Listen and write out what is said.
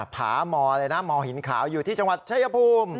ผามอเลยนะมหินขาวอยู่ที่จังหวัดชายภูมิ